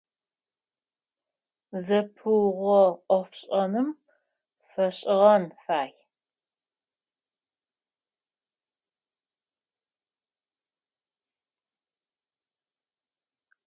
Зэпыугъо IофшIэным фэшIыгъэн фай.